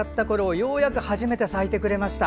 ようやく初めて咲いてくれました。